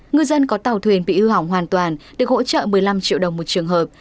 ngư dân có tàu thuyền bị hư hỏng hoàn toàn được hỗ trợ một mươi năm triệu đồng một trường hợp